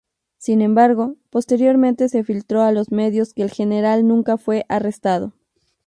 Sin embargo, posteriormente se filtró a los medios que el general nunca fue arrestado.